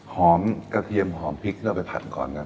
กระเทียมหอมพริกที่เราไปผัดก่อนนะ